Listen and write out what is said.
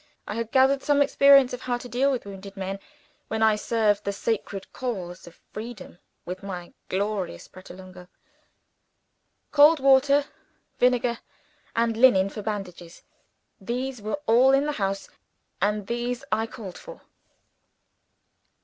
I had gathered some experience of how to deal with wounded men, when I served the sacred cause of Freedom with my glorious Pratolungo. Cold water, vinegar, and linen for bandages these were all in the house; and these I called for.